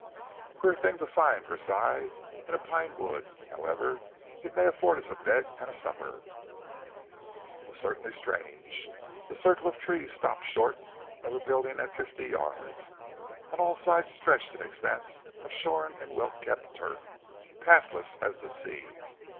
"H'm! Queer thing to find Versailles in a pine wood. However it may afford us a bed and a supper." It was certainly strange. The circle of trees stopped short of the building at fifty yards. On all sides stretched an expanse of shorn and well kept turf, pathless as the sea.